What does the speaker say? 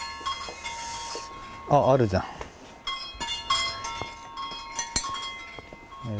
あっあるじゃん。